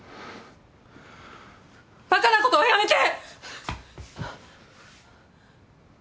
バカなことはやめて！